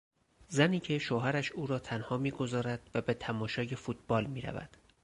زنی که شوهرش او را تنها میگذارد و به تماشای فوتبال میرود.